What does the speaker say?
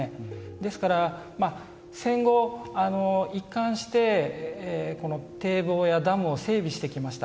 ですから、戦後一貫してこの堤防やダムを整備してきました。